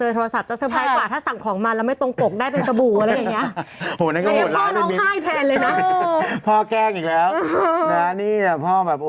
ทุกคนตีปุ๊บเลยค่ะตัวทั่ว